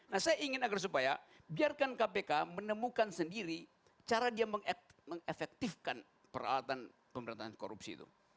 nah saya ingin agar supaya biarkan kpk menemukan sendiri cara dia mengefektifkan peralatan pemerintahan korupsi itu